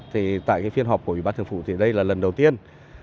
thì tại cái phiên họp của ủy ban thường phủ thì đây là lần đầu tiên